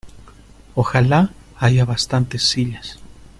Ojalá haya bastantes sillas.